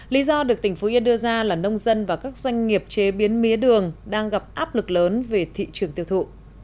lý do được tỉnh phú yên đưa ra là nông dân và các doanh nghiệp chế biến mía đường đang gặp áp lực lớn về thị trường tiêu thụ